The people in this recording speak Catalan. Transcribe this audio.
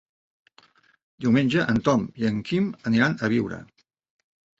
Diumenge en Tom i en Quim aniran a Biure.